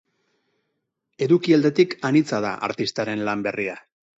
Eduki aldetik anitza da artistaren lan berria.